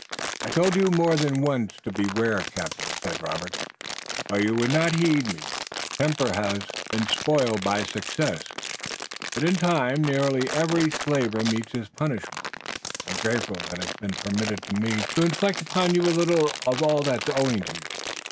"I told you more than once to beware, captain," said Robert, "but you would not heed me. Your temper has been spoiled by success, but in time nearly every slaver meets his punishment. I'm grateful that it's been permitted to me to inflict upon you a little of all that's owing to you.